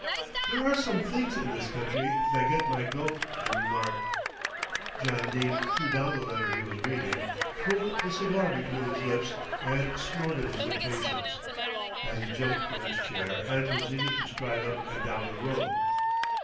"There are some things in this country that get my goat," he remarked. John Dene threw down the letter he was reading, twirled the cigar between his lips and snorted his impatience, as he jumped from his chair and proceeded to stride up and down the room.